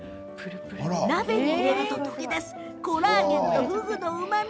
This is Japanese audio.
鍋に入れると溶け出すコラーゲンとふぐのうまみ。